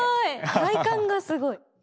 体幹がすごい。